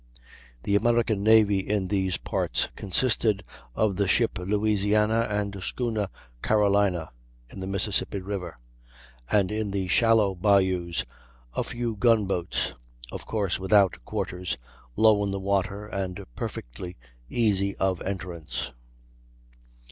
The American navy in these parts consisted of the ship Louisiana and schooner Carolina in the Mississippi river, and in the shallow bayous a few gun boats, of course without quarters, low in the water, and perfectly easy of entrance.